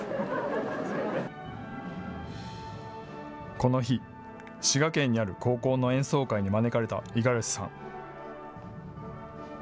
この日、滋賀県にある高校の演奏会に招かれた五十嵐さん。